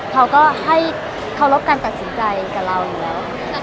เขาก็ให้เคารพการตัดสินใจกับเราอยู่แล้ว